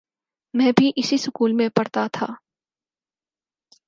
میں بھی اسی سکول میں پڑھتا تھا۔